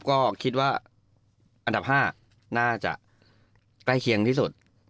ก็คิดว่าอันดับ๕น่าจะใกล้เคียงที่สุด